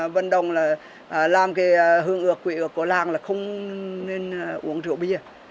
văn đông làm hương ước quỷ của làng là không uống rượu bia